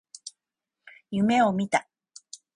夢を見た。